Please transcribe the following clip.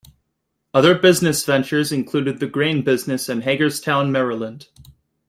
Other business ventures included the grain business in Hagerstown, Maryland.